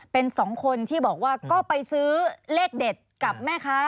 เป็นสองคนที่บอกว่าก็ไปซื้อเลขเด็ดกับแม่ค้า